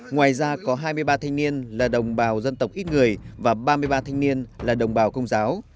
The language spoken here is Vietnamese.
ngoài ra có hai mươi ba thanh niên là đồng bào dân tộc ít người và ba mươi ba thanh niên là đồng bào công giáo